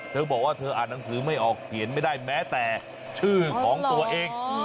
เธอบอกว่าเธออ่านหนังสือไม่ออกเขียนไม่ได้แม้แต่ชื่อของตัวเอง